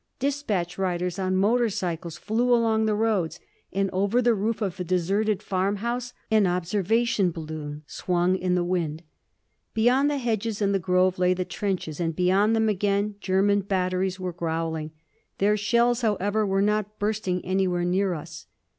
Dispatch riders on motor cycles flew along the roads, and over the roof of a deserted farmhouse an observation balloon swung in the wind. Beyond the hedges and the grove lay the trenches, and beyond them again German batteries were growling. Their shells, however, were not bursting anywhere near us.